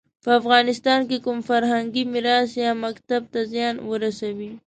په افغانستان کې کوم فرهنګي میراث یا مکتب ته زیان ورسوي.